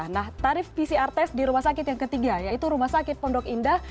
nah tarif pcr test di rumah sakit yang ketiga yaitu rumah sakit pondok indah